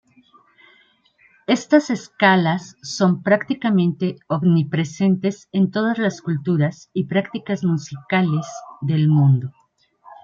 Esta escalas son prácticamente omnipresentes en todas las culturas y prácticas musicales del mundo.